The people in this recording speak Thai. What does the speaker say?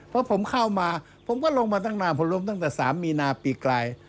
เพราะผมเข้ามาผมก็ลงมาทั้งนาพรวมทั้งแต่๓มีนาปีไกล